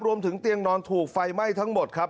รวมถึงเตียงนอนถูกไฟไหม้ทั้งหมดครับ